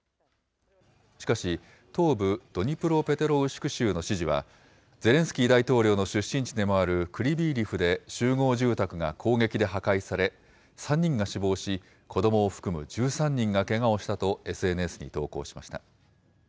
しかし、東部ドニプロペトロウシク州の知事は、ゼレンスキー大統領の出身地でもあるクリビーリフで集合住宅が攻撃で破壊され、３人が死亡し、子どもを含む１３人がけがをしたとＳＮＳに投稿しました。